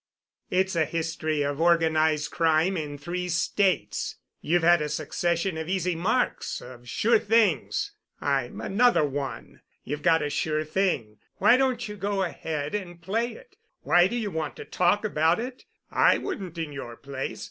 "It's a history of organized crime in three states. You've had a succession of easy marks—of sure things. I'm another one. You've got a sure thing. Why don't you go ahead and play it. Why do you want to talk about it? I wouldn't in your place.